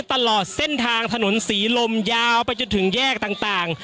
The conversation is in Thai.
ตลอดเส้นทางถนนศรีลมยาวไปจนถึงแยกต่าง